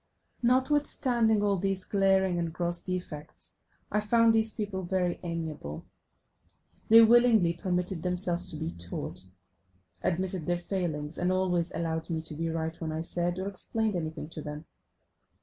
Notwithstanding all these glaring and gross defects I found these people very amiable: they willingly permitted themselves to be taught, admitted their failings, and always allowed me to be right when I said or explained anything to them.